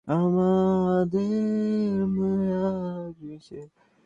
ইস, বর্ষার বারিধারায় স্নাত হওয়ার মতো আনন্দ লন্ডনিরা কখনোই পায় না।